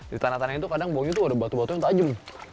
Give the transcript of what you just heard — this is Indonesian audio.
di tanah tanah itu kadang bawanya itu ada batu batu yang tajam